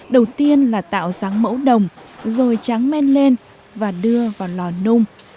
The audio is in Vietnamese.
đầu tiên là tạo dáng mẫu đồng rồi tráng men lên và đưa vào lò nung